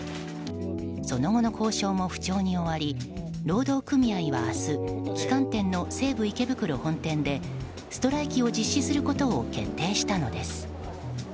その後の交渉も不調に終わり労働組合は明日旗艦店の西武池袋本店でストライキを実施することを決定したのです。